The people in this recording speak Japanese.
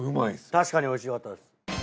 確かにおいしかったです。